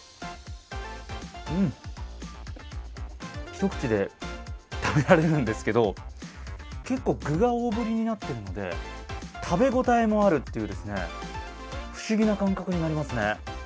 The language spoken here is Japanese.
一口で食べられるんですけど、結構、具が大ぶりになっているので食べ応えもあるという、不思議な感覚になりますね。